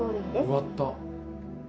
終わった。